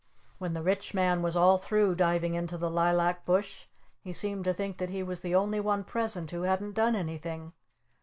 When the Rich Man was all through diving into the Lilac Bush he seemed to think that he was the only one present who hadn't done anything!